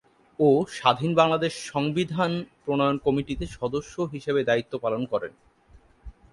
ও স্বাধীন বাংলাদেশের সংবিধান প্রণয়ন কমিটিতে সদস্য হিসাবে দায়িত্ব পালন করেন।।